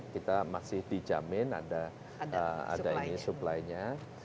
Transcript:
kita masih dijamin ada ini supply nya